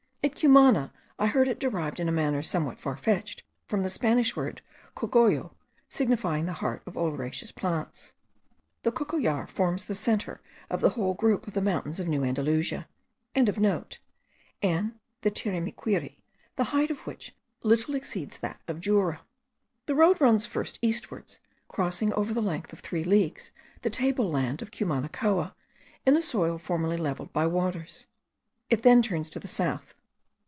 At Cumana I heard it derived in a manner somewhat far fetched from the Spanish word cogollo, signifying the heart of oleraceous plants. The Cocollar forms the centre of the whole group of the mountains of New Andalusia.) and the Turimiquiri, the height of which little exceeds that of Jura. The road first runs eastward, crossing over the length of three leagues the table land of Cumanacoa, in a soil formerly levelled by the waters: it then turns to the south.